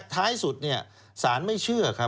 ท้ายสุดสารไม่เชื่อครับ